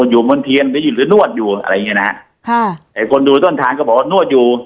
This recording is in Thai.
อยู่บนเทียนหรือนวดอยู่อะไรอย่างเงี้นะฮะค่ะไอ้คนดูต้นทางก็บอกว่านวดอยู่